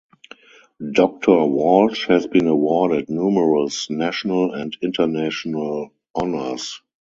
Doctor Walsh has been awarded numerous national and international honors.